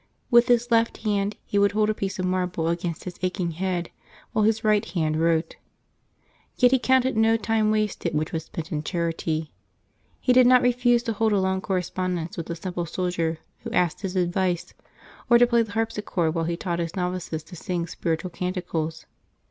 With his left hand he would hold a piece of marble against his aching head while his right hand wrote. Yet he counted no time wasted which was spent in charity. He did not refuse to hold a long corre spondence with a simple soldier who asked his advice, or to play the harpsichord while he taught his novices to sing spiritual canticles.